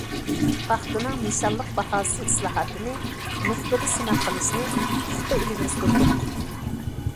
پاختىنىڭ نىشانلىق باھاسى ئىسلاھاتىنى نۇقتىدا سىناق قىلىشنى پۇختا ئىلگىرى سۈردۇق.